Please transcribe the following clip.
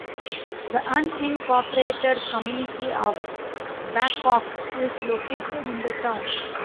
The unincorporated community of Babcock is located in the town.